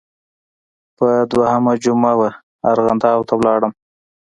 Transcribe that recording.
پر دویمه یې جمعه وه ارغنداو ته لاړم.